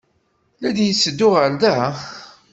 La d-yetteddu ɣer da?